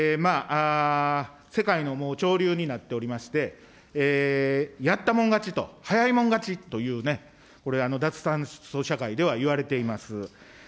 世界の潮流になっておりまして、やったもん勝ちと、早いもん勝ちというね、これ、脱炭素社会ではいわれています。